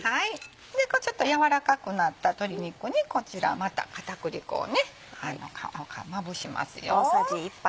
ちょっと軟らかくなった鶏肉にこちらまた片栗粉をまぶしますよ。